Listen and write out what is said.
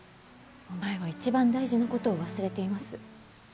お前は一番大事なことを忘れています。